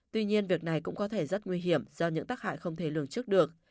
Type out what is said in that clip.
tuy nhiên việc này cũng có thể rất nguy hiểm do những tác hại không thể lường trước được